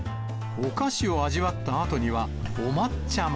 お菓子を味わったあとには、お抹茶も。